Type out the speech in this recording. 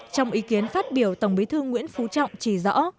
trong ý kiến phát biểu tổng bí thư nguyễn phú trọng chỉ rõ